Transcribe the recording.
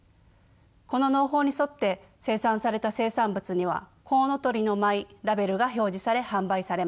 この農法に沿って生産された生産物には「コウノトリの舞」ラベルが表示され販売されます。